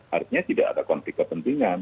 artinya tidak ada konflik kepentingan